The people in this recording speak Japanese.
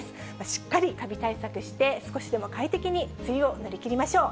しっかりかび対策して、少しでも快適に梅雨を乗り切りましょう。